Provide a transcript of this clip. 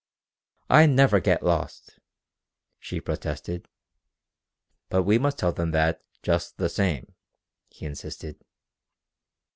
"I never get lost," she protested. "But we must tell them that just the same," he insisted.